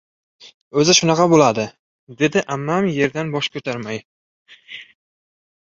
— O‘zi shunaqa bo‘ladi, — dedi ammam yerdan bosh ko‘tarmay.